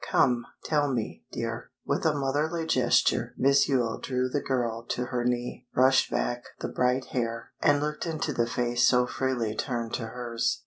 Come, tell me, dear." With a motherly gesture Miss Yule drew the girl to her knee, brushed back the bright hair, and looked into the face so freely turned to hers.